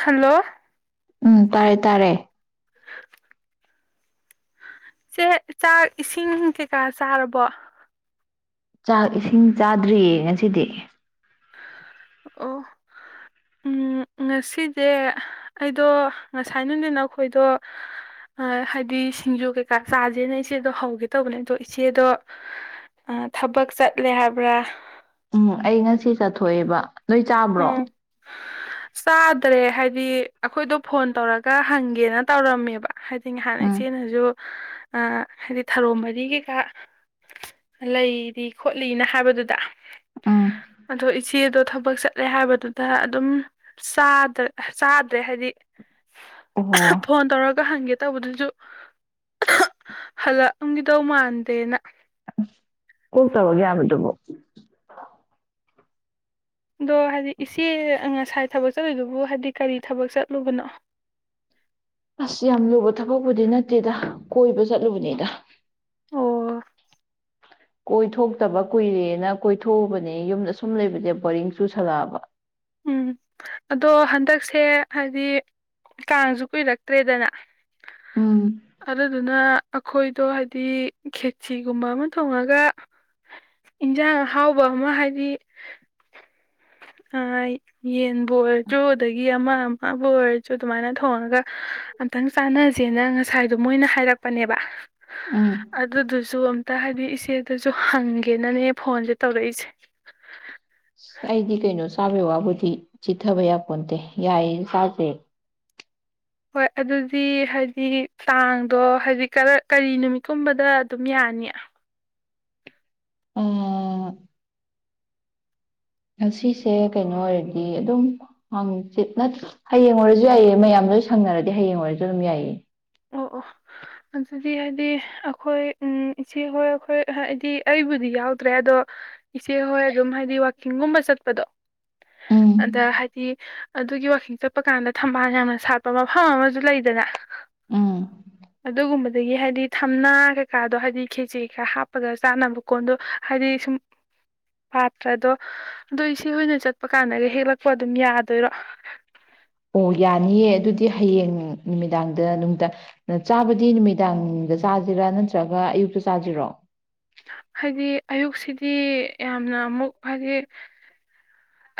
ꯍꯥꯜꯂꯣ ꯎꯝ ꯇꯥꯔꯦ ꯇꯥꯔꯦ ꯆꯦ ꯆꯥꯛ ꯏꯁꯤꯡ ꯀꯩꯀꯥ ꯆꯥꯔꯕꯣ ꯆꯥꯛ ꯏꯁꯤꯡ ꯆꯥꯗ꯭ꯔꯤꯌꯦ ꯉꯁꯤꯗꯤ ꯑꯣ ꯎꯝ ꯉꯁꯤꯖꯦ ꯑꯩꯗꯣ ꯉꯁꯥꯏ ꯅꯨꯡꯗꯤꯟ ꯑꯩꯈꯣꯏꯗꯣ ꯑꯥ ꯍꯥꯏꯗꯤ ꯁꯤꯡꯖꯨ ꯀꯩꯀꯥ ꯆꯥꯥꯖꯦꯅ ꯏꯆꯦꯗꯣ ꯍꯧꯒꯦ ꯇꯧꯕꯅꯦ ꯑꯗꯣ ꯏꯆꯦꯗꯣ ꯑꯥ ꯊꯕꯛ ꯆꯠꯂꯦ ꯍꯥꯏꯕ꯭ꯔꯥ ꯎꯝ ꯑꯩ ꯉꯁꯤ ꯆꯠꯊꯣꯛꯑꯦꯕ ꯅꯣꯏ ꯆꯥꯕ꯭ꯔꯣ ꯗꯔꯦ ꯍꯥꯏꯗꯤ ꯑꯩꯈꯣꯏꯗꯣ ꯐꯣꯟ ꯇꯧꯔꯒ ꯍꯪꯒꯦꯅ ꯇꯧꯔꯝꯃꯦꯕ ꯍꯥꯏꯗꯤ ꯉꯍꯥꯟ ꯎꯝ ꯏꯆꯦꯅꯖꯨ ꯑꯥ ꯍꯥꯏꯗꯤ ꯊꯔꯣ ꯃꯔꯤ ꯀꯩꯀꯥ ꯂꯩꯔꯤ ꯈꯣꯠꯂꯤꯅ ꯍꯥꯏꯕꯗꯨꯗ ꯎꯝ ꯑꯗꯣ ꯏꯆꯦꯗꯣ ꯊꯕꯛ ꯆꯠ ꯆꯠꯂꯦ ꯍꯥꯏꯕꯗꯨꯗ ꯑꯗꯨꯝ ꯆꯥꯗ-ꯆꯥꯗ꯭ꯔꯦ ꯍꯥꯏꯗꯤ ꯑꯣꯍꯣ ꯐꯣꯟ ꯇꯔꯒ ꯍꯪꯒꯦ ꯇꯧꯕꯗꯨꯁꯨ ꯍꯜꯂꯛꯑꯝꯒꯤꯗꯧ ꯃꯥꯟꯗꯦꯅ ꯀꯣꯛ ꯇꯧꯔꯛ ꯌꯥꯕꯗꯨꯕꯨ ꯑꯗꯣ ꯍꯥꯏꯗꯤ ꯏꯆꯦ ꯑ ꯉꯁꯥꯏ ꯊꯕꯛ ꯆꯠꯂꯨꯏꯗꯨꯕꯨ ꯍꯥꯏꯗꯤ ꯀꯔꯤ ꯊꯕꯛ ꯆꯠꯂꯨꯕꯅꯣ ꯑꯁ ꯌꯥꯝ ꯂꯨꯕ ꯊꯕꯛꯄꯨꯗꯤ ꯅꯠꯇꯦꯗ ꯀꯣꯏꯕ ꯆꯠꯂꯨꯕꯅꯤꯗ ꯑꯣ ꯀꯣꯏꯊꯣꯛꯇꯕ ꯀꯨꯏꯔꯦꯅ ꯀꯣꯏꯊꯣꯛꯎꯕꯅꯦ ꯌꯨꯝꯗ ꯁꯨꯝ ꯂꯩꯕꯁꯦ ꯕꯣꯔꯤꯡ ꯆꯨꯁꯜꯂꯛꯑꯕ ꯎꯝ ꯑꯗꯣ ꯍꯟꯗꯛꯁꯦ ꯍꯥꯏꯗꯤ ꯀꯥꯡꯁꯨ ꯀꯨꯏꯔꯛꯇ꯭ꯔꯦꯗꯅ ꯎꯝ ꯑꯗꯨꯗꯨꯅ ꯑꯩꯈꯣꯏꯗꯣ ꯍꯥꯏꯗꯤ ꯈꯦꯆꯤꯒꯨꯝꯕ ꯑꯃ ꯊꯣꯡꯉꯥꯒ ꯏꯟꯖꯥꯡ ꯑꯍꯥꯎꯕ ꯑꯃ ꯍꯥꯏꯗꯤ ꯑꯥ ꯌꯦꯟꯕꯨ ꯑꯣꯏꯔꯁꯨ ꯑꯗꯒꯤ ꯑꯃ ꯑꯃꯕꯨ ꯑꯣꯏꯔꯁꯨ ꯑꯗꯨꯃꯥꯏꯅ ꯊꯣꯡꯉꯒ ꯑꯝꯇꯪ ꯆꯥꯟꯅꯖꯦꯅ ꯉꯁꯥꯏꯗꯣ ꯃꯣꯏꯅ ꯍꯥꯏꯔꯛꯄꯅꯦꯕ ꯎꯝ ꯑꯗꯨꯗꯨ ꯨ ꯁꯨ ꯑꯝꯇ ꯍꯥꯏꯗꯤ ꯏꯆꯦꯗꯖꯨ ꯍꯪꯒꯦꯅꯅꯦ ꯐꯣꯟꯖꯦ ꯇꯧꯔꯛꯏꯁꯦ ꯑꯩꯗꯤ ꯀꯩꯅꯣ ꯆꯥꯕꯩ ꯋꯥꯕꯨꯗꯤ ꯆꯤꯠꯊꯥꯕ ꯌꯥꯄꯣꯟꯇꯦ ꯌꯥꯏꯌꯦ ꯆꯥꯖꯦ ꯍꯣꯏ ꯑꯗꯨꯗꯤ ꯍꯥꯏꯗꯤ ꯀꯥꯡꯗꯣ ꯍꯥꯏꯗꯤ ꯀꯔꯤ ꯅꯨꯃꯤꯠꯀꯨꯝꯕꯗ ꯑꯗꯨꯝ ꯌꯥꯅꯤ ꯑꯥ ꯉꯥꯁꯤꯁꯦ ꯀꯩꯅꯣ ꯑꯣꯏꯔꯗꯤ ꯑꯗꯨꯝ ꯍꯥꯡꯆꯤꯠ ꯅꯠ ꯍꯩꯌꯦꯡ ꯑꯣꯏꯔꯁꯨ ꯌꯥꯏꯌꯦ ꯃꯌꯥꯝ ꯂꯣꯏ ꯁꯪꯅꯔꯗꯤ ꯍꯌꯦꯡ ꯑꯣꯏꯔꯁꯨ ꯑꯗꯨꯝ ꯌꯥꯏꯌꯦ ꯑꯣ ꯑꯣ ꯑꯗꯨꯗꯤ ꯍꯥꯏꯗꯤ ꯑꯩꯈꯣꯏ ꯎꯝ ꯏꯆꯦꯍꯣꯏ ꯑꯩꯈꯣꯏ ꯍꯥꯏꯗꯤ ꯑꯩꯕꯨꯗꯤ ꯌꯥꯎꯗ꯭ꯔꯦ ꯑꯗꯣ ꯏꯆꯦꯍꯣꯏ ꯑꯗꯨꯝ ꯍꯥꯏꯗꯤ ꯋꯥꯛꯀꯤꯡꯒꯨꯝꯕ ꯆꯠꯄꯗꯣ ꯑꯗꯥ ꯎꯝ ꯍꯥꯏꯗꯤ ꯑꯗꯨꯒꯤ ꯋꯥꯛꯀꯤꯡ ꯆꯠꯄ ꯀꯥꯟꯗ ꯊꯝꯕꯥꯜ ꯌꯥꯝꯅ ꯁꯥꯠꯄ ꯃꯐꯝ ꯑꯃꯁꯨ ꯂꯩꯗꯅ ꯎꯝ ꯑꯗꯨꯒꯨꯝꯕꯗꯒꯤ ꯍꯥꯏꯗꯤ ꯊꯝꯅꯥ ꯀꯩꯀꯥꯗꯣ ꯍꯥꯏꯗꯤ ꯈꯦꯆꯤ ꯀꯩꯀꯥ ꯍꯥꯞꯄꯒ ꯆꯥꯅꯕ ꯀꯣꯟꯗꯣ ꯍꯥꯏꯗꯤ ꯁꯨꯝ ꯄꯥꯠꯇ꯭ꯔꯗꯣ ꯑꯗꯨ ꯏꯆꯦ ꯍꯣꯏꯅ ꯆꯠꯄ ꯀꯥꯟꯗꯒ ꯍꯦꯛꯂꯛꯄ ꯑꯗꯨꯝ ꯌꯥꯗꯣꯏꯔꯣ ꯑꯣ ꯌꯥꯅꯤꯌꯦ ꯑꯗꯨꯗꯤ ꯍꯌꯦꯡ ꯅꯨꯃꯤꯗꯥꯡꯗ ꯅꯨꯡꯗꯥꯡ ꯆꯥꯕꯗꯤ ꯅꯨꯃꯤꯗꯥꯡꯗ ꯆꯥꯖꯤꯔꯥ ꯅꯠꯇ꯭ꯔꯒ ꯑꯌꯨꯛꯇ ꯆꯥꯖꯤꯔꯣ ꯍꯥꯏꯗꯤ ꯑꯌꯨꯛꯁꯤꯗꯤ ꯌꯥꯝꯅ ꯑꯃꯨꯛ ꯍꯥꯏꯗꯤ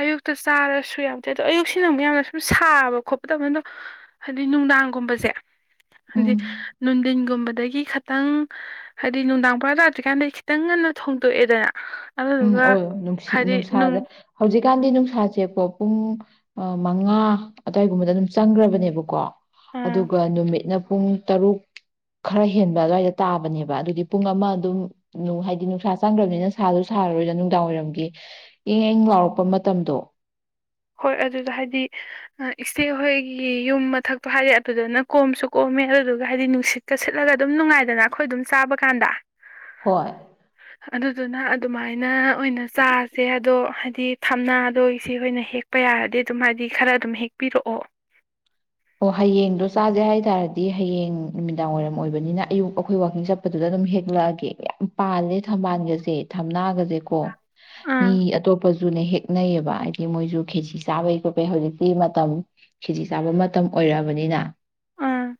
ꯑꯌꯨꯛꯇ ꯆꯥꯔꯁꯨ ꯌꯥꯕꯨꯗꯤ ꯌꯥꯏ ꯑꯗꯣ ꯑꯌꯨꯛꯁꯤꯅ ꯑꯃꯨꯛ ꯌꯥꯝꯅ ꯁꯨꯝ ꯁꯥꯕ ꯈꯣꯠꯄ ꯇꯕꯅꯤꯅ ꯑꯗꯣ ꯍꯥꯏꯗꯤ ꯅꯨꯡꯗꯥꯡꯒꯨꯝꯕꯁꯦ ꯍꯥꯏꯗꯤ ꯎꯝ ꯅꯨꯡꯗꯤꯟꯒꯨꯝꯕꯗꯒꯤ ꯈꯤꯇꯪ ꯍꯥꯏꯗꯤ ꯅꯨꯡꯗꯥꯡ ꯄꯨꯔꯥ ꯇꯥꯗ꯭ꯔꯤꯀꯥꯟꯗ ꯈꯤꯇꯪ ꯉꯟꯅ ꯊꯣꯡꯗꯣꯛꯑꯦꯗꯅ ꯎꯝ ꯑꯗꯨꯗꯨꯒ ꯑꯣꯏ ꯅꯨꯡꯁꯤꯠ ꯍꯥꯏꯗꯤ ꯅꯨꯡ ꯅꯨꯡꯁꯥꯗ ꯍꯧꯖꯤꯛ ꯖꯤꯀꯥꯟꯗꯤ ꯅꯨꯡꯁꯥꯥꯖꯦꯀꯣ ꯄꯨꯡ ꯃꯉꯥ ꯑꯗ꯭ꯋꯥꯏꯒꯨꯝꯕꯗ ꯗꯨꯝ ꯆꯪꯈ꯭ꯔꯕꯅꯦꯕꯀꯣ ꯑꯥ ꯑꯗꯨꯒ ꯅꯨꯃꯤꯠꯅ ꯄꯨꯡ ꯇꯔꯨꯛ ꯈꯔ ꯍꯦꯟꯕ ꯑꯗꯨꯋꯥꯏꯗ ꯇꯥꯕꯅꯦꯕ ꯑꯗꯨꯗꯤ ꯄꯨꯡ ꯑꯃ ꯑꯗꯨꯝ ꯅꯨ ꯍꯥꯏꯗꯤ ꯅꯨꯡꯁꯥ ꯆꯪꯒꯔꯥꯕꯅꯤꯅ ꯁꯥꯗꯨ ꯁꯥꯔꯔꯣꯏꯗ ꯅꯨꯡꯗꯥꯡꯋꯥꯏꯔꯝꯒꯤ ꯏꯪ ꯏꯪ ꯂꯥꯎꯔꯛꯄ ꯃꯇꯝꯗꯣ ꯍꯣꯏ ꯑꯗꯨꯗ ꯍꯥꯏꯗꯤ ꯏꯆꯦ ꯍꯣꯏꯒꯤ ꯌꯨꯝ ꯃꯊꯛꯇꯣ ꯍꯥꯏꯗꯤ ꯑꯗꯨꯗ ꯅ ꯀꯣꯝꯁꯨ ꯀꯣꯝꯃꯦ ꯑꯗꯨꯗꯨꯒ ꯍꯥꯏꯗꯤ ꯅꯨꯡꯁꯤꯠꯀ ꯁꯤꯠꯂꯒ ꯑꯗꯨꯝ ꯅꯨꯡꯉꯥꯏꯗꯅ ꯑꯈꯣꯏ ꯑꯗꯨꯝ ꯆꯥꯕ ꯀꯥꯟꯗ ꯍꯣꯏ ꯑꯗꯨꯗꯨꯅ ꯑꯗꯨꯃꯥꯏꯅ ꯑꯣꯏꯅ ꯆꯥꯁꯦ ꯑꯗꯣ ꯍꯥꯏꯗꯤ ꯊꯝꯅꯥꯗꯣ ꯏꯆꯦꯍꯣꯏꯅ ꯍꯦꯛ ꯄ ꯌꯥꯔꯗꯤ ꯑꯗꯨꯝ ꯍꯥꯏꯗꯤ ꯈꯔ ꯑꯗꯨꯝ ꯍꯦꯛꯄꯤꯔꯛꯑꯣ ꯑꯣ ꯍꯌꯦꯡꯗꯣ ꯆꯥꯖꯦ ꯍꯥꯏ ꯇꯥꯔꯗꯤ ꯍꯌꯦꯡ ꯅꯨꯃꯤꯗꯥꯡ ꯋꯥꯏꯔꯝ ꯑꯣꯏꯕꯅꯤꯅ ꯑꯌꯨꯛ ꯑꯈꯣꯏ ꯋꯥꯛꯀꯤꯡ ꯆꯠꯄꯗꯨꯗ ꯑꯗꯨꯝ ꯍꯦꯛꯂꯛꯑꯒꯦ ꯌꯥꯝ ꯄꯥꯜꯂꯦ ꯊꯝꯕꯥꯜꯒꯖꯦ ꯊꯝꯅꯥꯒꯖꯦꯀꯣ ꯃꯤ ꯑꯥ ꯑꯇꯣꯞꯄꯖꯨꯅꯦ ꯍꯦꯛꯅꯩꯌꯦꯕ ꯍꯥꯏꯗꯤ ꯃꯣꯏꯖꯩ ꯈꯦꯆꯤ ꯆꯥꯕꯩ ꯈꯣꯠꯄꯩ ꯍꯧꯖꯤꯛꯇꯤ ꯃꯇꯝ ꯈꯦꯖꯤ ꯆꯥꯕ ꯃꯇꯝ ꯃꯇꯝ ꯑꯣꯏꯔꯑꯕꯅꯤꯅ ꯎꯝ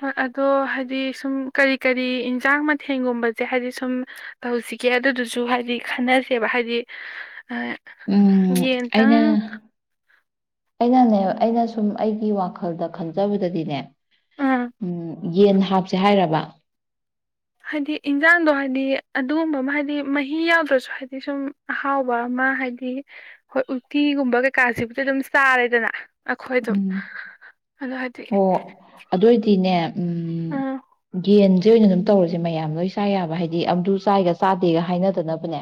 ꯍꯣꯏ ꯑꯗꯣ ꯍꯥꯏꯗꯤ ꯁꯨꯝ ꯀꯔꯤ ꯀꯔꯤ ꯏꯟꯁꯥꯡ ꯃꯊꯦꯡꯒꯨꯝꯕꯖꯦ ꯍꯥꯏꯗꯤ ꯁꯨꯝ ꯇꯧꯁꯤꯒꯦ ꯑꯗꯨꯗꯨꯁꯨ ꯍꯥꯏꯗꯤ ꯈꯟꯅꯁꯦꯕ ꯍꯥꯏꯗꯤ ꯑ ꯎꯝ ꯑꯩꯅ ꯌꯦꯟꯇꯪ ꯑꯩꯅꯅꯦ ꯑꯩꯅ ꯁꯨꯝ ꯑꯩꯒꯤ ꯋꯥꯈꯜꯗ ꯈꯟꯖꯕꯗꯗꯤꯅꯦ ꯑ ꯌꯦꯟ ꯍꯥꯞꯁꯦ ꯍꯥꯏꯔꯕ ꯍꯥꯏꯗꯤ ꯏꯟꯖꯥꯡꯗꯣ ꯍꯥꯏꯗꯤ ꯑꯗꯨꯒꯨꯝꯕ ꯑꯃ ꯍꯥꯏꯗꯤ ꯃꯍꯤ ꯌꯥꯎꯗ꯭ꯔꯁꯨ ꯍꯥꯏꯗꯤ ꯁꯨꯝ ꯑꯍꯥꯎꯕ ꯑꯃ ꯍꯥꯏꯗꯤ ꯍꯣꯏ ꯎꯇꯤꯒꯨꯝꯕ ꯀꯩꯀꯥꯁꯤꯕꯨꯗꯤ ꯑꯗꯨꯝ ꯆꯥꯔꯦꯗꯅ ꯑꯩꯈꯣꯏ ꯑꯗꯨꯝ ꯎꯝ ꯑꯗꯣ ꯍꯥꯏꯗꯤ ꯑꯣ ꯑꯗꯣꯏꯗꯤꯅꯦ ꯎꯝ ꯒꯦꯟ ꯖꯤ ꯑꯣꯏꯅ ꯗꯨꯝ ꯇꯧꯔꯖꯦ ꯃꯌꯥꯝ ꯂꯣꯏ ꯆꯥ ꯌꯥꯕ ꯍꯥꯏꯗꯤ ꯑꯝ ꯆꯥꯏꯒ ꯆꯥꯗꯦꯒ ꯍꯥꯏꯅꯗꯅꯕꯅꯦ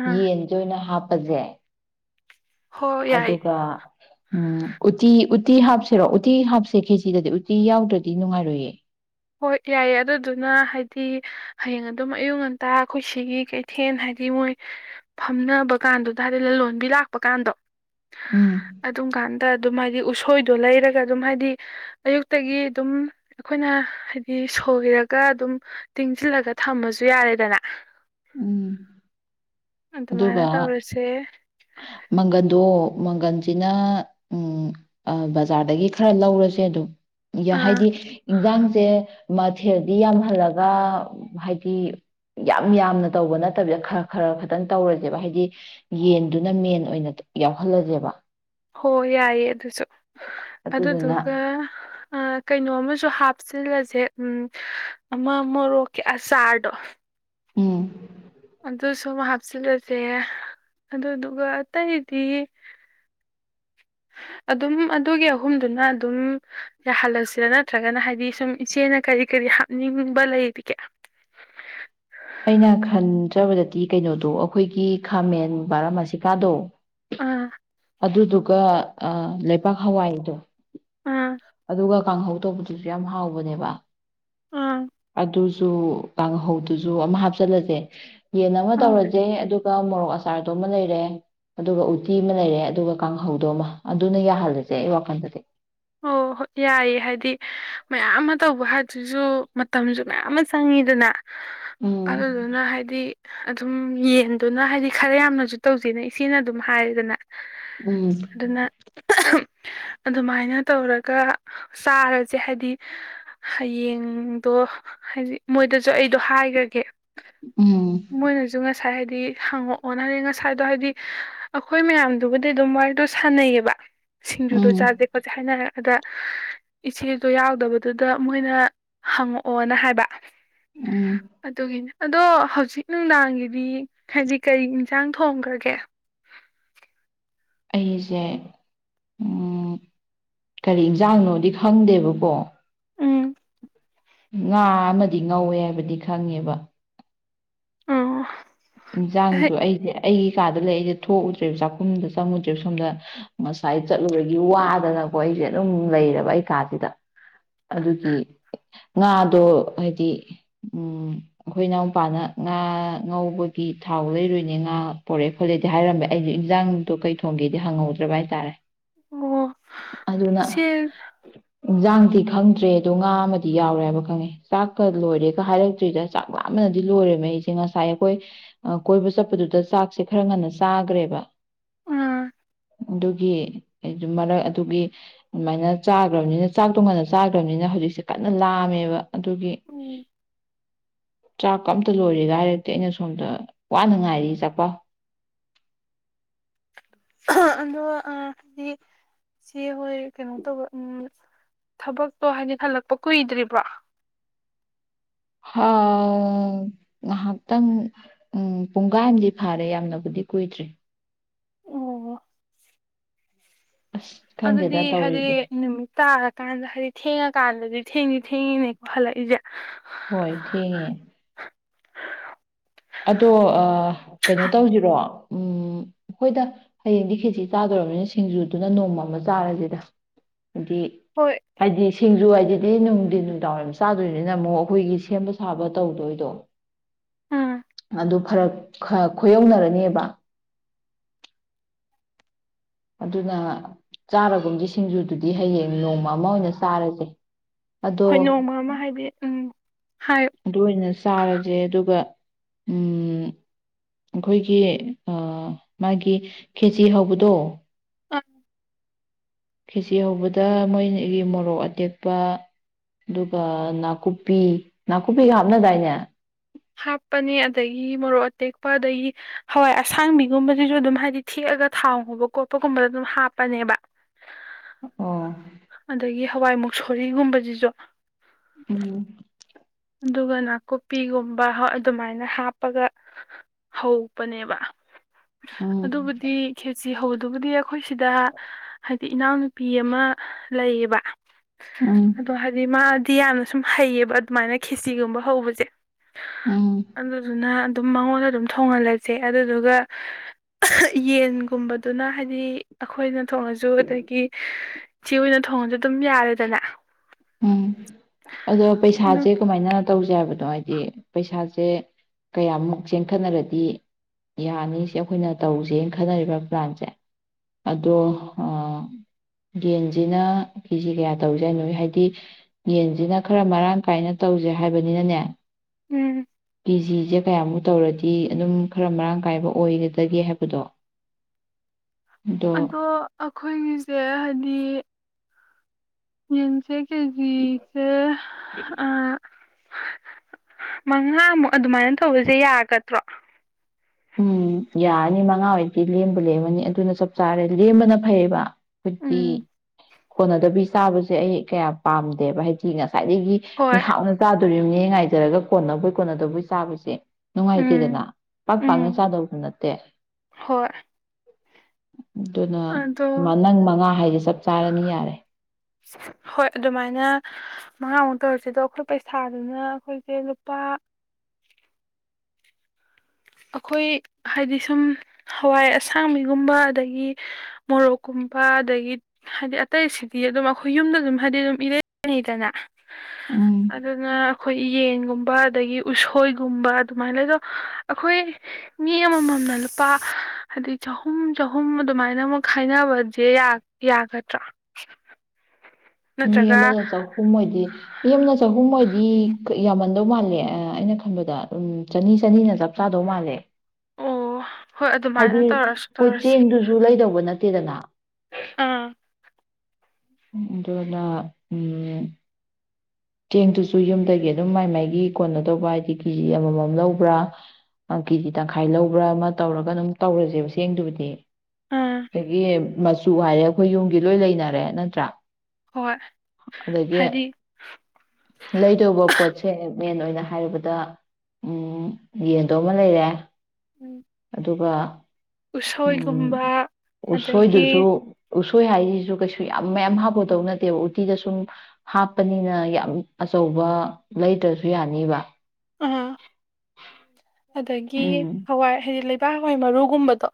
ꯑꯥ ꯌꯦꯟꯖꯦ ꯑꯣꯏꯅ ꯍꯥꯞ ꯄꯖꯦ ꯍꯣꯏ ꯌꯥꯏ ꯑꯗꯨꯒ ꯎꯝ ꯎꯇꯤ ꯎꯠ ꯇꯤ ꯍꯥꯞꯁꯤꯔꯣ ꯎꯇꯤ ꯍꯥꯞꯁꯦ ꯀꯦꯆꯤꯗꯗꯤ ꯎꯇꯤ ꯌꯥꯎꯗ꯭ꯔꯗꯤ ꯅꯨꯡꯉꯥꯏꯔꯣꯏꯌꯦ ꯍꯣꯏ ꯌꯥꯏꯌꯦ ꯑꯗꯨꯗꯨꯅ ꯍꯥꯏꯗꯤ ꯍꯌꯦꯡ ꯑꯗꯨꯝ ꯑꯌꯨꯛ ꯉꯟꯇꯥ ꯑꯈꯣꯏ ꯁꯤꯒꯤ ꯀꯩꯊꯦꯟ ꯍꯥꯏꯗꯤ ꯃꯣꯏ ꯐꯝꯅꯕ ꯀꯥꯟꯗꯨꯗ ꯍꯥꯏꯗꯤ ꯂꯂꯣꯟꯕꯤ ꯂꯥꯛꯄ ꯀꯥꯟꯗꯣ ꯎꯝ ꯑꯗꯨꯝ ꯀꯥꯟꯗ ꯑꯗꯨꯝ ꯍꯥꯏꯗꯤ ꯎꯁ ꯊꯣꯏꯗꯣ ꯂꯩꯔꯒ ꯑꯗꯨꯝ ꯍꯥꯏꯗꯤ ꯑꯌꯨꯛꯇꯒꯤ ꯑꯗꯨꯝ ꯑꯈꯣꯏꯅ ꯍꯥꯏꯗꯤ ꯁꯣꯏꯔꯒ ꯑꯗꯨꯝ ꯇꯤꯡꯖꯤꯜꯂꯒ ꯊꯝꯃꯁꯨ ꯌꯥꯔꯦꯗꯅ ꯎꯝ ꯑꯗꯨꯒ ꯑꯗꯨꯃꯥꯏꯅ ꯇꯧꯔꯁꯦ ꯃꯪꯒꯟꯗꯣ ꯃꯪꯒꯟꯖꯤꯅ ꯎꯝ ꯑ ꯕꯖꯥꯔꯗꯒꯤ ꯈꯔ ꯂꯧꯔꯁꯦ ꯑꯗꯨꯝ ꯏ ꯑꯥ ꯍꯥꯏꯗꯤ ꯏꯟꯖꯥꯡꯖꯦ ꯃꯊꯦꯜꯗꯤ ꯌꯥꯝꯍꯜꯂꯒ ꯍꯥꯏꯗꯤ ꯌꯥꯝ ꯌꯥꯝꯅ ꯇꯧꯕ ꯅꯠꯇꯕꯤꯗ ꯈꯔ ꯈꯔ ꯈꯤꯇꯪ ꯇꯧꯔꯖꯦꯕ ꯍꯥꯏꯗꯤ ꯌꯦꯟꯗꯨꯅ ꯃꯦꯟ ꯑꯣꯏꯅ ꯇ ꯌꯥꯎꯍꯜꯂꯖꯦꯕ ꯍꯣ ꯌꯥꯏꯌꯦ ꯑꯗꯨꯁꯨ ꯑꯗꯨꯗꯨꯅ ꯑꯗꯨꯗꯨꯒ ꯑ ꯀꯩꯅꯣ ꯑꯃꯁꯨ ꯍꯥꯞꯆꯤꯜꯂꯁꯦ ꯎꯝ ꯑꯃ ꯃꯣꯔꯣꯛꯀꯤ ꯑꯆꯥꯔꯗꯣ ꯎꯝ ꯑꯗꯨ ꯁꯨꯝ ꯍꯥꯞꯆꯤꯜꯂꯁꯦ ꯑꯗꯨꯗꯨꯒ ꯑꯇꯩꯗꯤ ꯑꯗꯨꯝ ꯑꯗꯨꯒꯤ ꯑꯍꯨꯝꯗꯨꯅ ꯑꯗꯨꯝ ꯌꯥꯍꯜꯂꯁꯤꯔꯥ ꯅꯠꯇ꯭ꯔꯒꯅ ꯍꯥꯏꯗꯤ ꯁꯨꯝ ꯏꯆꯦꯅ ꯀꯔꯤ ꯀꯔꯤ ꯍꯥꯞꯅꯤꯡꯕ ꯂꯩꯔꯤꯒꯦ ꯑꯩꯅ ꯈꯟꯖꯕꯗꯗꯤ ꯀꯩꯅꯣꯗꯣ ꯑꯈꯣꯏꯒꯤ ꯈꯥꯃꯦꯟ ꯕꯥꯔꯥꯃꯥꯁꯤꯀꯥꯗꯣ ꯑꯥ ꯑꯗꯨꯗꯨꯒꯕꯥꯛ ꯍꯋꯥꯏꯗꯣ ꯑꯥ ꯑꯗꯨꯒ ꯀꯥꯡꯍꯧ ꯇꯧꯕꯗꯨꯁꯨ ꯌꯥꯝ ꯍꯥꯎꯕꯅꯦꯕ ꯑꯥ ꯑꯗꯨ ꯨ ꯀꯥꯡꯍꯧꯗꯨꯁꯨ ꯑꯃ ꯍꯥꯞꯆꯤꯜꯂꯁꯦ ꯌꯦꯟ ꯑꯃ ꯇꯧꯔꯁꯦ ꯑꯗꯨꯒ ꯃꯣꯔꯣꯛ ꯑꯆꯥꯥꯔꯗꯣ ꯑꯃ ꯂꯩꯔꯦ ꯑꯗꯨꯒ ꯎꯇꯤ ꯑꯃ ꯂꯩꯔꯦ ꯑꯗꯨꯒ ꯀꯥꯡꯍꯧꯗꯣꯃ ꯑꯗꯨꯅ ꯌꯥꯍꯜꯂꯁꯦ ꯑꯩ ꯋꯥꯈꯜꯗꯗꯤ ꯑꯣ ꯍꯣꯏ ꯌꯥꯏꯌꯦ ꯍꯥꯏꯗꯤ ꯃꯌꯥꯝ ꯑꯃ ꯇꯧꯕ ꯍꯥꯏꯗꯁꯨ ꯃꯇꯝꯁꯨ ꯃꯌꯥꯝ ꯑꯃ ꯆꯪꯉꯤꯗꯅ ꯎꯝ ꯑꯗꯨꯗꯨꯅ ꯍꯥꯏꯗꯤ ꯑꯗꯨꯝ ꯌꯦꯟꯗꯨꯅ ꯍꯥꯏꯗꯤ ꯈꯔ ꯌꯥꯝꯅꯁꯨ ꯇꯧꯁꯤꯦꯅ ꯏꯆꯦꯅ ꯑꯗꯨꯝ ꯍꯥꯏꯔꯦꯗꯅ ꯎꯝ ꯑꯗꯨꯅ ꯑꯗꯨꯃꯥꯏꯅ ꯇꯧꯔꯒ ꯆꯥꯔꯁꯦ ꯍꯥꯏꯗꯤ ꯍꯌꯦꯡꯗꯣ ꯍꯥꯏꯗꯤ ꯃꯣꯏꯗꯁꯨ ꯑꯩꯗꯣ ꯍꯥꯏꯈ꯭ꯔꯒꯦ ꯎꯝ ꯃꯣꯏ ꯖꯨꯡꯉ ꯉꯁꯥꯏ ꯍꯥꯏꯗꯤ ꯍꯪꯉꯛꯑꯣꯅ ꯍꯥꯏꯗꯤ ꯉꯁꯥꯏꯗꯣ ꯍꯥꯏꯗꯤ ꯑꯩꯈꯣꯏ ꯃꯌꯥꯝꯗꯨꯕꯨꯗꯤ ꯑꯗꯨꯝ ꯋꯥꯔꯤꯗꯣ ꯁꯥꯟꯅꯩꯌꯦꯕ ꯁꯤꯡꯖꯨꯗ ꯆꯥꯗ ꯎꯝ ꯐ ꯑꯗ ꯏꯆꯦꯗꯣ ꯌꯥꯎꯗꯕꯗꯨꯗ ꯃꯣꯏꯅ ꯍꯪꯉꯛꯑꯣꯅ ꯍꯥꯏꯕ ꯎꯝ ꯑꯗꯨꯒꯤꯅꯦ ꯑꯗꯣ ꯍꯧꯖꯤꯛ ꯅꯨꯡꯗꯥꯡꯒꯤꯗꯤ ꯍꯥꯏꯗꯤ ꯀꯔꯤ ꯏꯟꯁꯥꯡ ꯊꯣꯡꯈ꯭ꯔꯒꯦ ꯑꯩꯁꯦ ꯀꯔꯤ ꯑꯦꯟꯖꯥꯡꯅꯣꯗꯤ ꯈꯪꯗꯦꯕꯀꯣ ꯎꯝ ꯉꯥ ꯑꯃꯗꯤ ꯉꯧꯋꯦ ꯍꯥꯏꯕꯗꯤ ꯈꯪꯉꯦꯕ ꯎ ꯏꯟꯁꯥꯡꯗꯣ ꯑꯩꯁꯦ ꯑꯩꯒꯤ ꯀꯩ ꯀꯥꯗ ꯂꯩ ꯑꯩꯁꯦ ꯊꯣꯛꯎꯨꯗ꯭ꯔꯦꯕ ꯆꯥꯛꯈꯨꯝꯗ ꯆꯪꯉꯨꯗ꯭ꯔꯦꯕ ꯁꯣꯝꯗ ꯉꯁꯥꯏ ꯆꯠꯂꯨꯔꯒꯤ ꯋꯥꯗꯅꯀꯣ ꯑꯩꯁꯦ ꯑꯗꯨꯝ ꯂꯩꯦꯕ ꯑꯩ ꯀꯥꯁꯤꯗ ꯑꯗꯨꯒꯤ ꯉꯥꯗꯣ ꯍꯥꯏꯗꯤ ꯎꯝ ꯑꯩꯈꯣꯏ ꯏꯅꯥꯎꯄꯥꯅ ꯉꯥ ꯉꯧꯕ ꯒꯤ ꯊꯥꯎ ꯂꯩꯔꯣꯏꯅꯦ ꯉꯥ ꯄꯣꯔꯛꯦ ꯈꯣꯠꯂꯦꯗꯤ ꯍꯥꯏꯔꯝꯃꯦ ꯑꯩꯁꯨ ꯏꯟꯖꯥꯡ ꯗꯣ ꯀꯩ ꯊꯣꯡꯒꯦꯗꯤ ꯍꯪꯍꯧꯗ꯭ꯔꯕ ꯍꯥꯏꯇꯥꯔꯦ ꯑꯣ ꯁꯤ ꯏꯟꯁꯥꯡꯗꯤ ꯈꯪꯗ꯭ꯔꯦ ꯑꯗꯣ ꯉꯥ ꯑꯃꯗꯤ ꯌꯥꯎꯔꯦ ꯍꯥꯏꯕ ꯈꯪꯉꯦ ꯆꯥꯛꯀ ꯂꯣꯏꯔꯦꯒ ꯍꯥꯏꯔꯛꯇ꯭ꯔꯤꯗ ꯆꯥꯛ ꯃꯥꯃꯅꯗꯤ ꯂꯣꯏꯔꯦꯃꯦ ꯑꯩꯁꯦ ꯉꯁꯥꯏ ꯑꯩꯈꯣꯏ ꯀꯣꯏꯕ ꯆꯠꯄꯗꯨꯗ ꯆꯥꯛꯁꯦ ꯈꯔ ꯉꯟꯅ ꯆꯥꯈ꯭ꯔꯦꯕ ꯑꯥ ꯑꯗꯨꯒꯤ ꯑꯩ ꯃꯔꯛ ꯑꯗꯨꯒꯤ ꯑꯗꯨꯃꯥꯏꯅ ꯆꯥꯈ꯭ꯔꯕꯅꯤꯅ ꯆꯥꯛ ꯇꯣꯡꯉꯥꯟꯗ ꯆꯥꯈ꯭ꯔꯕꯅꯤꯅ ꯍꯧꯖꯤꯛꯁꯦ ꯀꯟꯅ ꯂꯥꯝꯃꯦꯕ ꯑꯗꯨꯒꯤ ꯎꯝ ꯆꯥꯛ ꯑꯝꯇ ꯂꯣꯏꯔꯦꯒ ꯍꯥꯏꯔꯛꯇꯤ ꯑꯩꯅ ꯁꯣꯝꯗ ꯋꯥꯅ ꯉꯥꯏꯔꯤ ꯆꯥꯄꯣ ꯑꯗꯣ ꯍꯥꯏꯗꯤ ꯁꯤ ꯍꯣꯏ ꯀꯩꯅꯣ ꯇꯧꯕ ꯎꯝ ꯊꯕꯛꯇꯣ ꯍꯥꯏꯗꯤ ꯍꯜꯂꯛꯄ ꯀꯨꯏꯗ꯭ꯔꯤꯕ꯭ꯔꯣ ꯉꯥꯏꯍꯥꯛꯇꯪ ꯄꯨꯡꯀꯥꯟꯥꯟꯗꯤ ꯐꯥꯔꯦ ꯌꯥꯝꯅꯕꯨꯗꯤ ꯀꯨꯏꯗ꯭ꯔꯦ ꯑꯣ ꯑꯁ ꯑꯗꯨꯗꯤ ꯈꯪꯗꯦꯗ ꯍꯥꯏꯗꯤ ꯇꯧꯔꯤꯁꯦ ꯅꯨꯃꯤꯠ ꯇꯥꯔꯀꯥꯟꯗ ꯍꯥꯏꯗꯤ ꯊꯦꯡꯉꯀꯥꯟꯗꯗꯤ ꯊꯦꯡꯉ ꯊꯦꯡꯉꯤꯅꯦꯀꯣ ꯍꯜꯂꯛꯏꯁꯦ ꯍꯣꯏ ꯊꯦꯡ ꯑꯗꯣ ꯀꯩꯅꯣ ꯇꯧꯁꯤꯔꯣ ꯑꯩꯈꯣꯏꯗ ꯍꯌꯦꯡꯗꯤ ꯈꯦꯖꯤ ꯆꯥꯗꯧꯅꯤꯅ ꯁꯤꯡꯖꯨꯗꯨꯅ ꯅꯣꯡꯃ ꯑꯃ ꯆꯥꯔꯁꯤꯗ ꯑꯗꯨꯗꯤ ꯍꯣꯏ ꯍꯥꯏꯗꯤ ꯁꯤꯡꯖꯨ ꯍꯥꯏꯗꯨꯗꯤ ꯅꯨꯡꯗꯤ ꯅꯨꯡꯗꯥꯡꯋꯥꯏꯔꯝ ꯆꯥꯗꯣꯏꯅꯤꯅ ꯑꯃꯨꯛ ꯑꯩꯈꯣꯏꯒꯤ ꯁꯦꯝꯕ ꯁꯥꯕ ꯇꯧꯗꯣꯏꯗꯣ ꯎꯝ ꯑꯗꯨ ꯐꯔꯛ ꯈꯣꯏꯌꯧꯅꯔꯅꯦꯕ ꯑꯗꯨꯅ ꯆꯥꯔꯒꯨꯝꯒꯤ ꯁꯤꯡꯖꯨꯗꯨꯗꯤ ꯍꯌꯦꯡ ꯅꯣꯡꯃ ꯑꯃ ꯑꯣꯏꯅ ꯆꯥꯔꯁꯦ ꯑꯗꯣ ꯍꯣꯏ ꯅꯣꯡꯃ ꯑꯃ ꯍꯥꯏꯕꯤ ꯎꯝ ꯍꯥꯏ ꯑꯗꯨ ꯑꯣꯏꯅ ꯆꯥꯔꯁꯦ ꯑꯗꯨꯒ ꯎ ꯑꯩꯈꯣꯏꯒꯤ ꯃꯥꯒꯤ ꯈꯦꯖꯤ ꯍꯧꯕꯗꯣ ꯑ ꯈꯤꯆ ꯍꯧꯕꯗ ꯃꯣꯏꯒꯤ ꯃꯣꯔꯣꯛ ꯑꯇꯦꯛꯄ ꯑꯗꯨꯒ ꯅꯥꯀꯨꯞꯄꯤ ꯅꯥꯀꯨꯞꯄꯤꯒ ꯍꯥꯞꯅꯗꯥꯏꯅꯦ ꯍꯥꯞꯄꯅꯦ ꯑꯗꯒꯤ ꯃꯣꯔꯣꯛ ꯑꯇꯦꯛꯄ ꯑꯗꯒꯤ ꯍꯋꯥꯏ ꯑꯁꯥꯡꯕꯤꯒꯨꯝꯕꯁꯤꯁꯨ ꯑꯗꯨꯝ ꯍꯥꯏꯗꯤ ꯊꯦꯛꯑꯒ ꯊꯥꯎ ꯍꯨꯕ ꯈꯣꯠꯄꯒꯨꯝꯕꯗ ꯑꯗꯨꯝ ꯍꯥꯞꯄꯅꯦꯕ ꯑꯣ ꯑꯗꯒꯤ ꯍꯋꯥꯏ ꯃꯨꯛ ꯁꯣꯔꯤꯒꯨꯝꯕꯁꯤꯁꯨ ꯎꯝ ꯑꯗꯨꯒ ꯅꯥꯀꯨꯞꯄꯤꯒꯨꯝꯕ ꯍꯣꯏ ꯑꯗꯨꯃꯥꯏꯅ ꯍꯥꯞꯄꯒ ꯍꯧꯧꯕꯅꯦꯕ ꯎꯝ ꯑꯗꯨꯕꯨꯗꯤꯤ ꯈꯦꯁꯤ ꯍꯧ ꯑꯗꯨꯕꯗꯤ ꯑꯩꯈꯣꯏ ꯁꯤꯗ ꯍꯥꯏ ꯏꯅꯥꯎꯅꯨꯄꯤ ꯑꯃ ꯂꯩꯌꯦꯕ ꯎꯝ ꯑꯗꯣ ꯍꯥꯏꯗꯤ ꯃꯥ ꯗꯤ ꯌꯥꯝꯅ ꯁꯨꯝ ꯍꯩꯌꯦꯕ ꯑꯗꯨꯃꯥꯏꯅ ꯈꯤꯁꯤꯒꯨꯝꯕ ꯍꯧꯕꯁꯦ ꯎꯝ ꯑꯗꯨꯗ ꯑꯗꯨꯅ ꯑꯗꯨꯝ ꯃꯉꯣꯟꯗ ꯑꯗꯨꯝ ꯊꯣꯡꯍꯜꯂꯁꯦ ꯑꯗꯨꯗꯨꯒ ꯌꯦꯟꯒꯨꯝꯕꯗꯨꯅ ꯍꯥꯏꯗꯤ ꯑꯩꯈꯣꯏꯅ ꯊꯣꯡꯉꯁꯨ ꯑꯗꯒꯤ ꯁꯤ ꯑꯣꯏꯅ ꯊꯣꯡꯉꯁꯨ ꯑꯗꯨꯝ ꯌꯥꯔꯦꯗꯅ ꯎꯝ ꯑꯗꯣ ꯑꯗꯨꯝ ꯄꯩꯁꯥꯁꯦ ꯀꯃꯥꯏꯅ ꯇꯧꯁꯤ ꯕꯗꯣ ꯍꯥꯏꯗꯤ ꯄꯩꯁꯥꯁꯦ ꯀꯌꯥꯃꯨꯛ ꯆꯦꯟꯈꯠꯅꯔꯗꯤ ꯌꯥꯅꯤ ꯑꯩꯈꯣꯏꯅ ꯇꯧꯁꯦꯅ ꯈꯟꯅꯔꯤꯕ ꯄ꯭ꯂꯥꯟꯁꯦ ꯑꯗꯣ ꯌꯦꯟꯁꯤꯅ ꯀꯦꯖꯤ ꯀꯌꯥ ꯇꯧꯁꯦꯅꯣ ꯍꯥꯏ ꯗꯤ ꯌꯦꯟꯁꯤꯅ ꯈꯔ ꯃꯔꯥꯡ ꯀꯥꯏꯅ ꯇꯧꯁꯦ ꯍꯥꯏꯕꯅꯤꯅꯅꯦ ꯎꯝ ꯐꯤ ꯖꯤꯁꯦ ꯀꯌꯥꯃꯨꯛ ꯇꯧꯔꯗꯤ ꯑꯗꯨꯝ ꯈꯔ ꯃꯔꯥꯡ ꯀꯥꯏꯕ ꯑꯣꯏꯒꯗꯒꯦ ꯍꯥꯏꯕꯗꯣ ꯑꯗꯣ ꯑꯩꯈꯣꯏꯒꯤꯁꯦ ꯍꯥꯏꯗꯤ ꯌꯦꯁꯦ ꯖꯤꯁꯦ ꯑ ꯃꯉꯥꯃꯨꯛ ꯑꯗꯨꯃꯥꯏꯅ ꯇꯧꯕꯁꯦ ꯌꯥꯒꯗ꯭ꯔꯣ ꯎꯝ ꯌꯥꯔꯅꯤ ꯃꯉꯥ ꯑꯣꯏꯗꯤ ꯂꯦꯝꯕ ꯂꯦꯝꯃꯅꯤ ꯑꯗꯨꯅ ꯆꯞ ꯆꯥꯔꯦ ꯂꯦꯝꯕꯅ ꯐꯩꯌꯦꯕ ꯐꯠꯇꯤ ꯎꯝ ꯀꯣꯟꯅꯗꯕꯤ ꯆꯥꯕꯁꯦ ꯑꯩ ꯀꯌꯥꯝ ꯄꯥꯝꯗꯦꯕ ꯍꯥꯏꯗꯤ ꯉꯁꯥꯏ ꯉꯥꯏꯗꯒꯤ ꯃꯤ ꯍꯣꯏ ꯍꯥꯞꯅ ꯇꯥꯗꯣꯔꯤꯕꯦ ꯍꯌꯦ ꯉꯥꯏꯖꯔꯒ ꯀꯣꯟꯅꯕꯩ ꯀꯣꯟꯅꯗꯧꯕꯩ ꯆꯥꯕꯁꯦ ꯅꯨꯡꯉꯥꯏꯇꯦꯗꯅ ꯎꯝ ꯄꯥꯛ ꯄꯥꯛꯅ ꯎꯝ ꯆꯥꯗꯕꯗꯨ ꯅꯠꯇꯦ ꯍꯣꯏ ꯑꯗꯨꯅ ꯑꯗꯣ ꯅꯪ ꯃꯉꯥ ꯍꯥꯏꯗꯤꯦ ꯆꯞ ꯆꯥꯔꯅꯤ ꯌꯥꯔꯦ ꯍꯣꯏ ꯑꯗꯨꯃꯥꯏꯅ ꯃꯉꯥꯃꯨꯛ ꯇꯧꯔꯁꯤ ꯑꯗꯣ ꯑꯩꯈꯣꯏ ꯄꯩꯁꯥꯗꯨꯅ ꯑꯩꯈꯣꯏꯁꯦ ꯂꯨꯄꯥ ꯑꯩꯈꯣꯏ ꯍꯥꯏꯗꯤ ꯁꯨꯝ ꯍꯋꯥꯏ ꯑꯁꯥꯡꯃꯤꯒꯨꯝꯕ ꯑꯗꯒꯤ ꯃꯣꯔꯣꯛꯀꯨꯝꯕ ꯑꯗꯒꯤ ꯍꯥꯏꯗꯤ ꯑꯇꯩꯁꯤꯗꯤ ꯑꯗꯨꯝ ꯑꯩꯈꯣꯏ ꯌꯨꯝꯗ ꯑꯗꯨꯝ ꯍꯥꯏꯕꯗꯤ ꯑꯗꯨꯝ ꯏꯔꯩꯅꯤꯩꯗꯅ ꯎꯝ ꯑꯗꯨꯅ ꯑꯩꯈꯣꯏ ꯌꯦꯟꯒꯨꯝꯕ ꯑꯗꯒꯤ ꯎꯁꯣꯏꯒꯨꯝꯕ ꯑꯗꯨꯃꯥꯏꯅ ꯂꯩꯗꯣ ꯑꯩꯈꯣꯏ ꯃꯤ ꯑꯃꯃꯝꯅ ꯂꯨꯄꯥ ꯍꯥꯏꯗꯤ ꯆꯍꯨꯝ ꯆꯍꯨꯝ ꯑꯗꯨꯃꯥꯏꯅ ꯑꯃꯨꯛ ꯈꯥꯏꯅꯕꯁꯦ ꯌꯥꯒꯗ꯭ꯔꯥ ꯃꯤ ꯅꯠꯇ꯭ꯔꯒ ꯑꯃꯗ ꯆꯍꯨꯝ ꯑꯣꯏꯗꯤ ꯄꯦꯝꯅ ꯆꯍꯨꯝ ꯑꯣꯏꯗꯤ ꯌꯥꯝꯃꯟꯗꯧ ꯃꯥꯜꯂꯦ ꯑꯩꯅ ꯈꯟꯕꯗ ꯎ ꯆꯅꯤ ꯆꯅꯤꯅ ꯆꯞ ꯆꯥꯗꯧ ꯃꯥꯜꯂꯦ ꯑꯣ ꯍꯣꯏ ꯑꯗꯨꯃꯥꯏꯅ ꯍꯥꯏꯗꯤ ꯇꯧꯔꯁꯨ ꯑꯩꯈꯣꯏ ꯇꯧꯔꯁꯤ ꯆꯦꯡꯗꯨꯁꯨ ꯂꯩꯗꯧꯕ ꯅꯠꯇꯦ ꯗꯅ ꯑꯥ ꯎꯝ ꯑꯗꯨꯅ ꯎꯝ ꯆꯦꯡꯗꯨꯁꯨ ꯌꯨꯝꯗꯒꯤ ꯑꯗꯨꯝ ꯃꯥꯏ ꯃꯥꯏꯒꯤ ꯀꯅꯣ ꯇꯧꯕ ꯍꯥꯏꯗꯤ ꯀꯦꯖꯤ ꯑꯃꯃꯝ ꯂꯧꯕ꯭ꯔꯥ ꯀꯦꯖꯤ ꯇꯪꯈꯥꯏ ꯂꯧꯕ꯭ꯔꯥ ꯑꯃ ꯇꯧꯔꯒ ꯑꯗꯨꯝ ꯇꯧꯔꯁꯦꯕ ꯆꯦꯡꯗꯨꯕꯨꯗꯤ ꯑꯥ ꯑꯩꯒꯤ ꯃꯆꯨ ꯍꯥꯏꯔꯦ ꯑꯩꯈꯣꯏ ꯌꯨꯝꯒꯤ ꯂꯣꯏ ꯂꯩꯅꯔꯦ ꯅꯠꯇ꯭ꯔꯥ ꯍꯣꯏ ꯑꯗꯒꯤ ꯍꯥꯏꯗꯤ ꯂꯩꯗꯧꯕ ꯄꯣꯠꯁꯦ ꯃꯦꯟ ꯑꯣꯏꯅ ꯍꯥꯏꯔꯕꯗ ꯎ ꯌꯦꯟꯗꯣ ꯑꯃ ꯂꯩꯔꯦ ꯑꯗꯨꯒ ꯑ ꯎꯁꯣꯏꯒꯨꯝꯕ ꯑꯗꯒꯤ ꯎꯁꯣꯏꯗꯨꯁꯨ ꯎꯁꯣꯏ ꯍꯥꯏꯁꯤꯁꯨ ꯀꯩꯁꯨ ꯌꯥꯝ ꯃꯌꯥꯝ ꯍꯥꯞꯄꯧꯗꯧ ꯅꯠꯇꯦꯕ ꯎꯇꯤꯗ ꯁꯨꯝ ꯍꯥꯞꯄꯅꯤꯅ ꯌꯥꯝ ꯑꯆꯧꯕ ꯂꯩꯇ꯭ꯔꯁꯨ ꯌꯥꯅꯤꯕ ꯑꯥ ꯑꯗꯒꯤ ꯎꯝ ꯍꯋꯥꯏ ꯍꯥꯏꯗꯤ ꯂꯩ ꯆꯥ ꯍꯏ ꯃꯔꯨꯒꯨꯝꯕꯗꯣ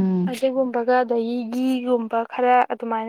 ꯎꯝ ꯑꯗꯦꯒꯨꯝꯕꯒꯗ ꯒꯤꯘꯒꯨꯝꯕ ꯈꯔ ꯑꯗꯨꯃꯥꯏꯅ